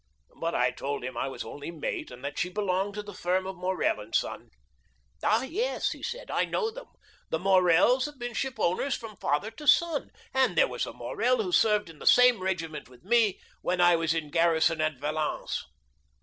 But I told him I was only mate, and that she belonged to the firm of Morrel & Son. 'Ah, yes,' he said, 'I know them. The Morrels have been shipowners from father to son; and there was a Morrel who served in the same regiment with me when I was in garrison at Valence.